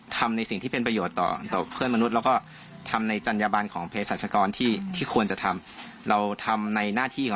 ถ้าเป็นขอบเขตแล้วเรารู้สึกเราไม่ไหว